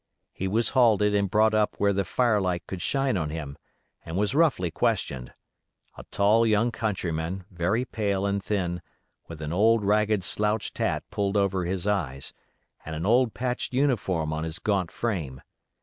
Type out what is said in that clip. He was halted and brought up where the fire light could shine on him, and was roughly questioned—a tall young countryman, very pale and thin, with an old ragged slouched hat pulled over his eyes, and an old patched uniform on his gaunt frame.